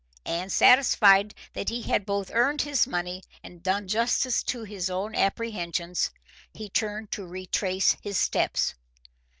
And satisfied that he had both earned his money and done justice to his own apprehensions, he turned to retrace his steps.